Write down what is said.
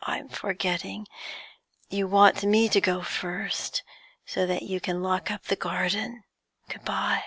I'm forgetting: you want me to go first, so that you can lock up the garden. Good bye!'